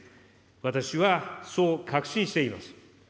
私はそう確信しています。